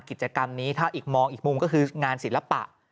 กิจกรรมนี้ถ้าอีกมองอีกมุมก็คืองานศิลปะ